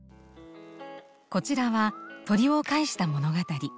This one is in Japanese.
こちらは鳥を介した物語。